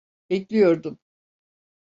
Bekliyordum.